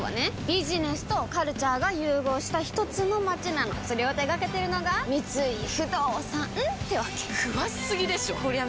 ビジネスとカルチャーが融合したひとつの街なのそれを手掛けてるのが三井不動産ってわけ詳しすぎでしょこりゃ